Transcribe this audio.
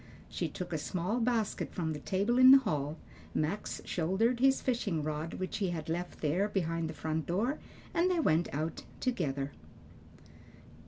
She took a small basket from the table in the hall, Max shouldered his fishing rod, which he had left there behind the front door, and they went out together.